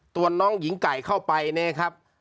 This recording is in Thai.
ตัวน้องหญิงไก่เข้าไปเนี่ยครับ